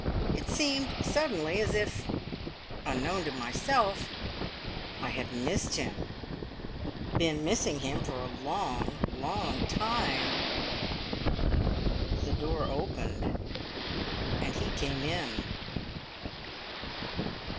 It seemed suddenly as if, unknown to myself, I had missed him, been missing him for a long, long time The door opened and he came in.